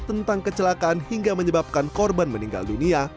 tentang kecelakaan hingga menyebabkan korban meninggal dunia